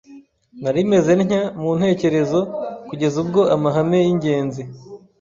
Nari meze ntya mu ntekerezo kugeza ubwo amahame y’ingenzi